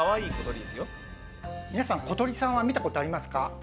皆さん小鳥さんは見たことありますか？